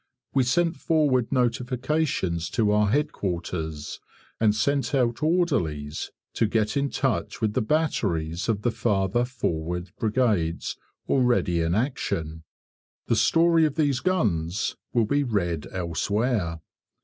We sent forward notifications to our Headquarters, and sent out orderlies to get in touch with the batteries of the farther forward brigades already in action. The story of these guns will be read elsewhere.